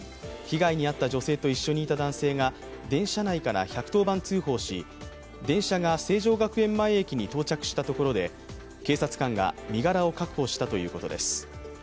被害に遭った女性と一緒にいた男性が電車内から１１０番通報し、電車が成城学園前駅に到着したところで警察官が身柄を確保したということです。